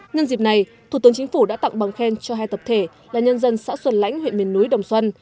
nhân dịp này thủ tướng chính phủ đã tặng bằng khen cho hai tập thể là nhân dân xã xuân lãnh huyện miền núi đồng xuân